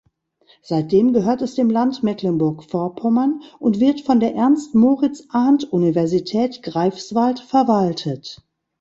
Seitdem gehört es dem Land Mecklenburg-Vorpommern und wird von der Ernst-Moritz-Arndt-Universität Greifswald verwaltet.